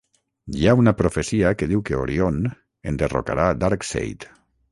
Hi ha una profecia que diu que Orion enderrocarà Darkseid.